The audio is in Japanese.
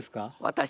私？